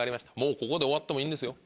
ここで終わってもいいんですよ。